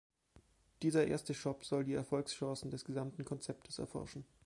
Dieser erste Shop soll die Erfolgschancen des gesamten Konzeptes erforschen.